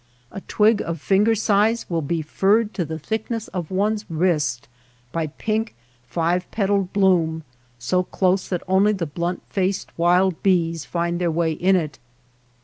A twig of finger size will be furred to the thickness of one's wrist by pink five petaled bloom, so close that only the blunt faced wild bees find their way in it.